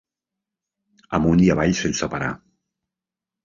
Amunt i avall sense parar.